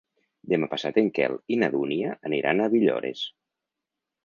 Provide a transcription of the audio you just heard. Demà passat en Quel i na Dúnia aniran a Villores.